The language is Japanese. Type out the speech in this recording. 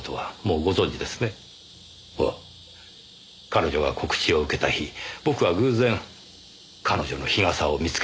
彼女が告知を受けた日僕は偶然彼女の日傘を見つけました。